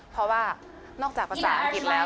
เพราะว่านอกจากภาษาอังกฤษแล้ว